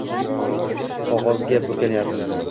Qog‘ozga burkanyapmiz.